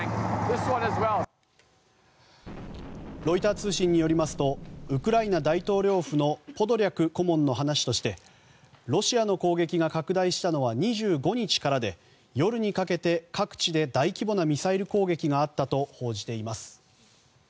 ロイター通信によりますとウクライナ大統領府のポドリャク顧問の話としてロシアの攻撃が拡大したのは２５日からで、夜にかけて各地で大規模なミサイル攻撃があったと報じています。